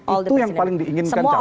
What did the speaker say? itu yang paling diinginkan cawapres